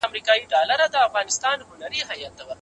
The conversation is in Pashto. دا کار څنګه د رسول الله پیروي ګڼل کیږي؟